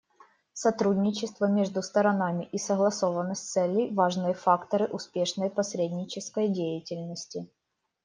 Сотрудничество между сторонами и согласованность целей — важные факторы успешной посреднической деятельности.